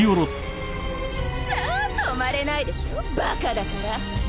さあ止まれないでしょバカだから